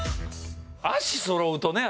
足そろうとね